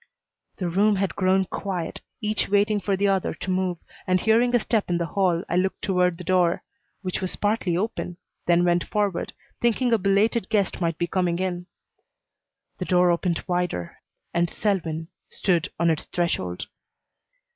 The room had grown quiet, each waiting for the other to move, and, hearing a step in the hall, I looked toward the door, which was partly open, then went forward, thinking a belated guest might be coming in. The door opened wider and Selwyn stood on its threshold.